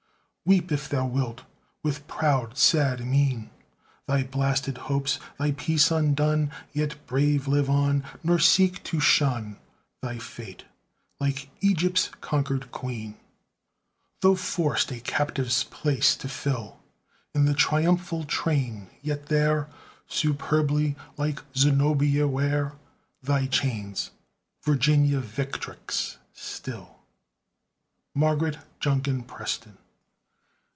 Weep, if thou wilt, with proud, sad mien, Thy blasted hopes thy peace undone, Yet brave, live on, nor seek to shun Thy fate, like Egypt's conquer'd Queen. Though forced a captive's place to fill In the triumphal train, yet there, Superbly, like Zenobia, wear Thy chains, Virginia Victrix still! MARGARET JUNKIN PRESTON.